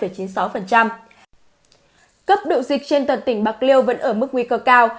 cấp độ dịch trên toàn tỉnh bạc liêu vẫn ở mức nguy cơ cao